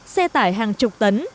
xe tải hàng chục tấn